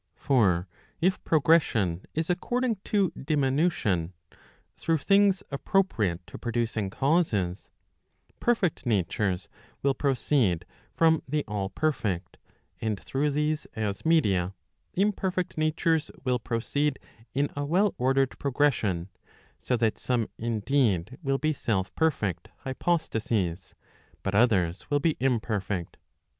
For if progression is according to diminution, through things appro¬ priate to producing causes, perfect natures will proceed from the all¬ perfect, and through these as media, imperfect natures will proceed in a well ordered progression, so that some indeed will be self perfect hypo¬ stases, but others will be imperfect.